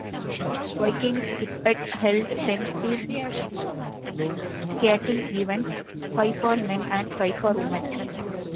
Vikingskipet held ten speed skating events, five for men and five for women.